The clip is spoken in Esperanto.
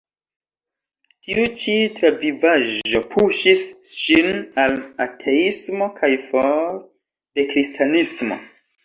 Tiu ĉi travivaĵo puŝis ŝin al ateismo kaj for de Kristanismo.